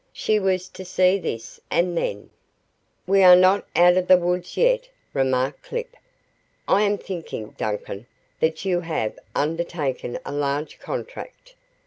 She was to see this and then "We are not out of the woods yet," remarked Clip. "I am thinking, Duncan, that you have undertaken a large contract.